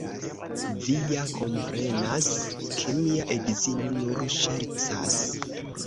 Vi ja komprenas, ke mia edzino nur ŝercas?